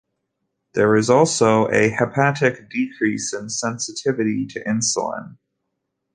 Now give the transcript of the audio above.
There is also a hepatic decrease in sensitivity to insulin.